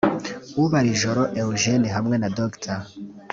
Ubarijoro Eugene hamwe na Dr